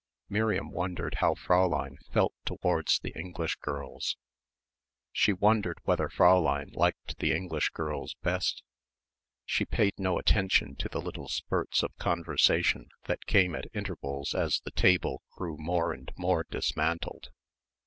Miriam wondered how Fräulein felt towards the English girls. She wondered whether Fräulein liked the English girls best.... She paid no attention to the little spurts of conversation that came at intervals as the table grew more and more dismantled.